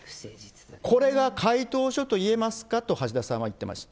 これが回答書と言えますかと橋田さんは言ってました。